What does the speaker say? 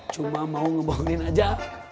cuma mau ngebongin aja